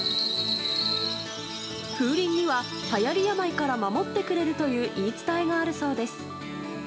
風鈴にははやり病から守ってくれるという言い伝えがあるそうです。